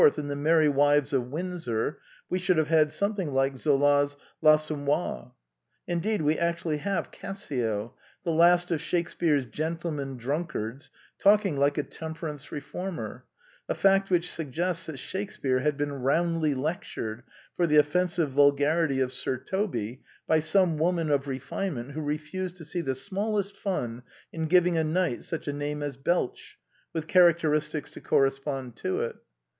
and The Merry Wives of Windsor, we should have had something like Zola's L'As sommoir. Indeed, we actually have Cassio, the last of Shakespear's gentleman drunkards, talk ing like a temperance reformer, a fact which suggests that Shakespear had been roundly lec tured for the offensive vulgarity of Sir Toby by some woman of refinement who refused to see the smallest fun in giving a knight such a name as Belch, with characteristics to correspond to it.